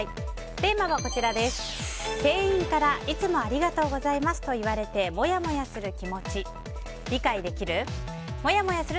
テーマは、店員からいつもありがとうございますと言われてモヤモヤする気持ち理解できる？